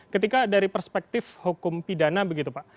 ketika dari perspektif hukum pidana begitu pak